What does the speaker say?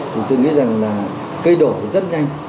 thì tôi nghĩ rằng là cây đổ rất nhanh